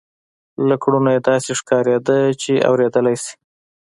له کړنو یې داسې ښکارېده چې اورېدلای شي